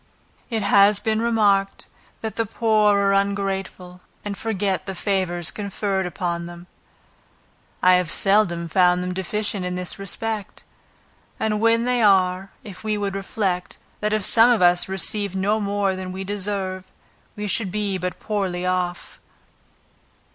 It has been remarked, that the poor are ungrateful, and forget the favors conferred upon them. I have seldom found them deficient in this respect; and when they are, if we would reflect, that if some of us received no more than we deserve, we should be but poorly off.